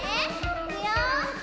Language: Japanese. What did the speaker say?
いくよ。